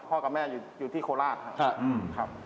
กับแม่อยู่ที่โคราชครับ